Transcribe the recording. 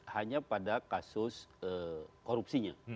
hanya pada kasus korupsinya